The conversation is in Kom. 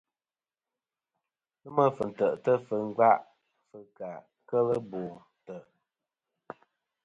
Nômɨ fɨ̀ntè'tɨ fɨ ngva fɨ̀ kà kel bo ntè'.